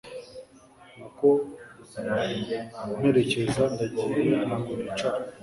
nako mperekeza ndagiye ntago nicara